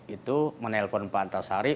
itu menelpon pak antasari